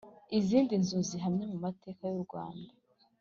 Izindi nzu zihamye mu mateka y’u Rwanda